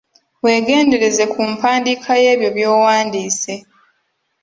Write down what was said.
Weegendereze ku mpandiika y’ebyo by’owandiise.